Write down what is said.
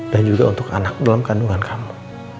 dan juga untuk anak dalam kandungan kamu